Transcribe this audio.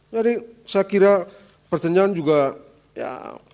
jadi saya kira pertanyaan juga ya